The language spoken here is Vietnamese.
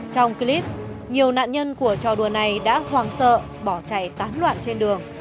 trong clip nhiều nạn nhân của trò đùa này đã hoàng sợ bỏ chạy tán loạn trên đường